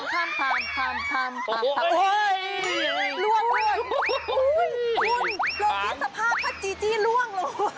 คุณลงทิศภาพถ้าจีล่วงลงลงล่วน